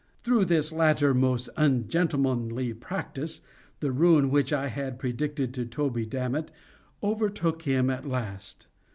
Through this latter most ungentlemanly practice, the ruin which I had predicted to Toby Dammit overtook him at last.